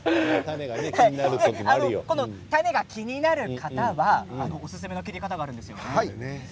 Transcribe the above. この種が気になる方はおすすめの切り方があるんですよね。